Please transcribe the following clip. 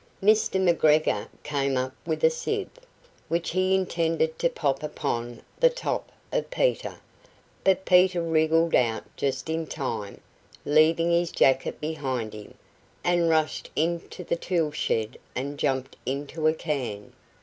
Mr. McGregor came up with a sieve, which he intended to pop upon the top of Peter, but Peter wriggled out just in time, leaving his jacket behind him; and rushed into the tool shed, and jumped into a can.